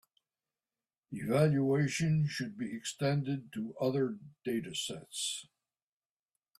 Evaluation should be extended to other datasets.